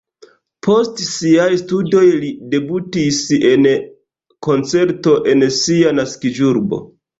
Post siaj studoj li debutis en koncerto en sia naskiĝurbo.